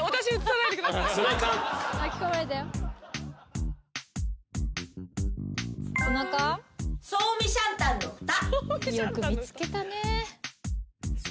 よく見つけたね。